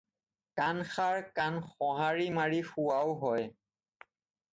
কাণ সাৰ কাণ সঁহাৰি মাৰি শোৱাও হয়।